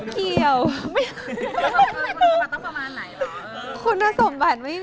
คนประมาณไรสัย